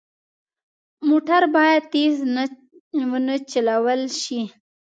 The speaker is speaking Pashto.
موټر باید تېز نه وچلول شي.